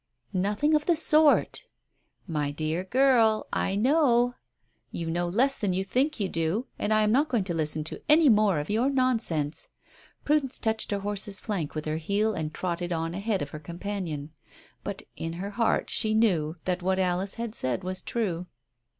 "Nothing of the sort" "My dear girl, I know." "You know less than you think you do, and I am not going to listen to any more of your nonsense." Prudence touched her horse's flank with her heel and trotted on ahead of her companion. But in her heart she knew that what Alice had said was true.